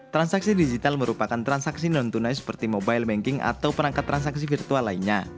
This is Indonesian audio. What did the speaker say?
transaksi digital merupakan transaksi non tunai seperti mobile banking atau perangkat transaksi virtual lainnya